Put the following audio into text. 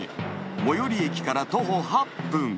最寄り駅から徒歩８分。